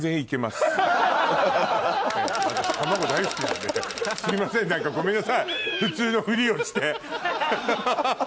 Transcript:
すいません何かごめんなさい普通のふりをしてハハハ。